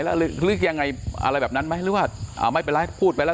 แล้วหรือยังไงอะไรแบบนั้นไหมหรือว่าอ่าไม่เป็นไรพูดไปแล้ว